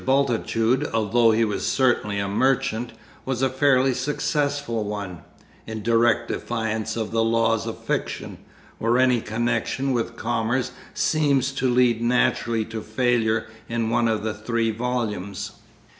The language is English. Bultitude, although he was certainly a merchant, was a fairly successful one in direct defiance of the laws of fiction, where any connection with commerce seems to lead naturally to failure in one of the three volumes.